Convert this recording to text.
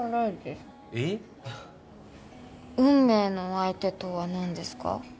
運命の相手とは何ですか？